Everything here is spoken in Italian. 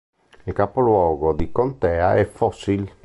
Il capoluogo di contea è Fossil.